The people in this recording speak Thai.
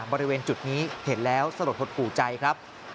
บริเวณจุดนี้เห็นแล้วสลดหดหู่ใจครับ